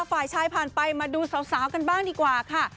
ฝ่ายชายผ่านไปมาดูสาวกันบ้างดีกว่าค่ะ